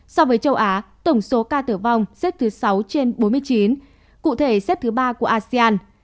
so với châu á tổng số ca tử vong xếp thứ sáu trên bốn mươi chín cụ thể xếp thứ ba của asean